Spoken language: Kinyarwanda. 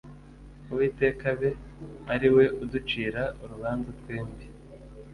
Uwiteka abe ari we uducira urubanza twembi